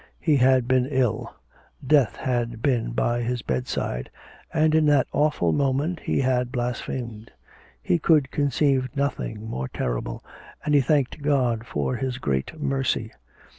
He had been ill, death had been by his bedside, and in that awful moment he had blasphemed. He could conceive nothing more terrible, and he thanked God for his great mercy.